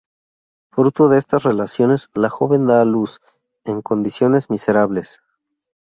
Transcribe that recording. Fruto de estas relaciones, la joven da a luz, en condiciones miserables.